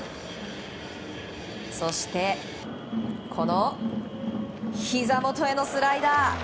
そして、ひざ元へのスライダー。